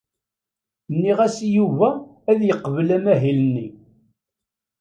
Nniɣ-as i Yuba ad yeqbel amahil-nni.